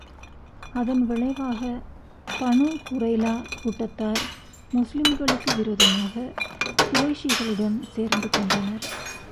அதன் விளைவாக, பனூ குறைலா கூட்டத்தார் முஸ்லிம்களுக்கு விரோதமாக குறைஷிகளுடன் சேர்ந்து கொண்டனர்.